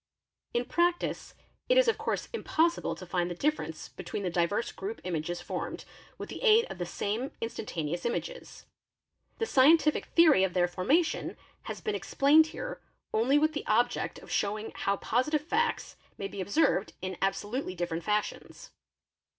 ae In practice it is of course impossible to find the difference between the diverse group images formed with the aid of the same instantaneous images; the scientific theory of their formation has been explained here ~ only with the object of showing how positive facts may be observed in absolutely different fashions.